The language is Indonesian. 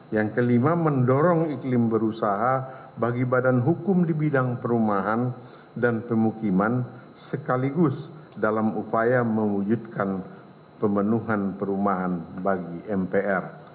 yang kelima mendorong iklim berusaha bagi badan hukum di bidang perumahan dan pemukiman sekaligus dalam upaya mewujudkan pemenuhan perumahan bagi mpr